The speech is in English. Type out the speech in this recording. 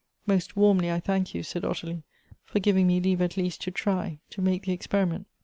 "Most warmly I thank you," said Ottilie, "for giving me leave'at leaSt to try, to make the experiment.